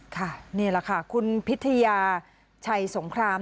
ค่ะนี่แหละค่ะคุณพิทยาชัยสงคราม